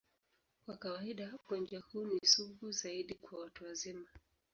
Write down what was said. Kwa kawaida, ugonjwa huu ni sugu zaidi kwa watu wazima.